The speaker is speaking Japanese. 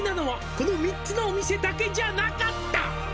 「この３つのお店だけじゃなかった」